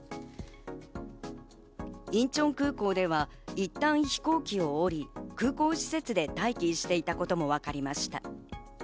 インチョン空港ではいったん飛行機を降り、空港施設で待機していたこともわかりました。